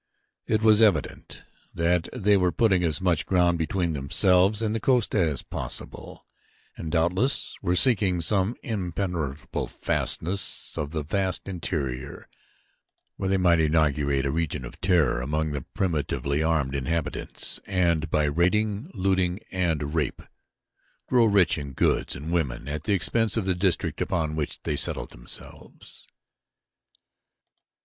It was evident that they were putting as much ground between themselves and the coast as possible and doubtless were seeking some impenetrable fastness of the vast interior where they might inaugurate a reign of terror among the primitively armed inhabitants and by raiding, looting, and rape grow rich in goods and women at the expense of the district upon which they settled themselves.